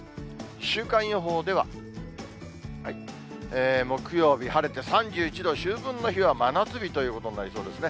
週間予報では、木曜日、晴れて３１度、秋分の日は真夏日ということになりそうですね。